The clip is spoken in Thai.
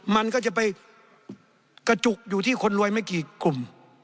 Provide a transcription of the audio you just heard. มันก็จะไปกระจุกอยู่ที่คนรวยไม่กี่กลุ่ม